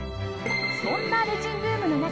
そんなレジンブームの中